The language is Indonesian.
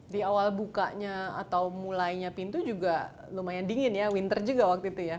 di awal bukanya atau mulainya pintu juga lumayan dingin ya winter juga waktu itu ya